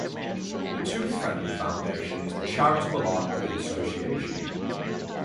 The Toothfriendly Foundation is the charitable arm of the association.